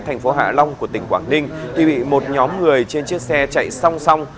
thành phố hạ long của tỉnh quảng ninh thì bị một nhóm người trên chiếc xe chạy song song